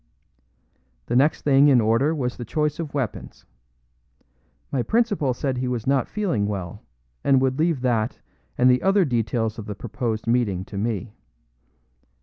The next thing in order was the choice of weapons. My principal said he was not feeling well, and would leave that and the other details of the proposed meeting to me.